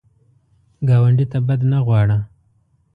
ګاونډي ته بد نه غواړه